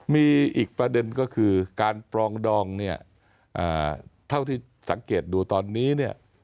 มีอีกประเด็นก็คือการปรองดองเนี่ยเท่าที่สังเกตดูตอนนี้เนี่ย